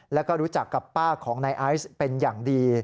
แล้วก็รู้จักกับป้าของนายไอซ์เป็นอย่างดี